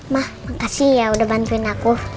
mah makasih ya udah bantuin aku